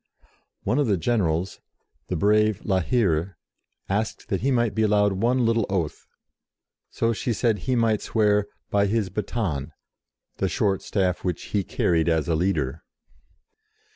One of the generals, the brave La Hire, asked that he might be allowed one little oath, so she said he might swear "by his baton," the short staff which he carried as a leader.